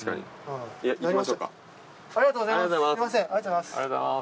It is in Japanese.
ありがとうございます。